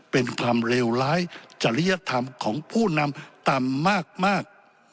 เป็นความเลวร้ายจริยธรรมของผู้นำต่ำมาก